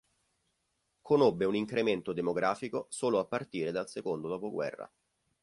Conobbe un incremento demografico solo a partire dal secondo dopoguerra.